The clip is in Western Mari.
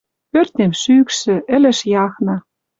Пӧртем шӱкшӹ, ӹлӹш яхна